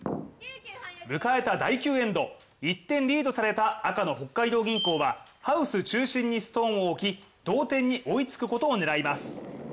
迎えた第９エンド、１点リードされた赤の北海道銀行はハウス中心にストーンをに置き同点に追いつくことを狙います。